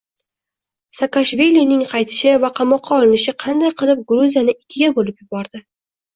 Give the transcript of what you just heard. Saakashvilining qaytishi va qamoqqa olinishi qanday qilib Gruziyani ikkiga bo‘lib yubordi?